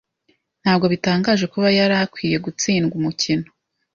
Ntabwo bitangaje kuba yari akwiye gutsindwa umukino.